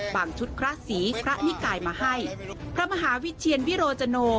ชุดพระศรีพระนิกายมาให้พระมหาวิเชียนวิโรจโน